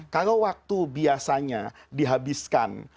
kalau waktu biasanya dihabiskan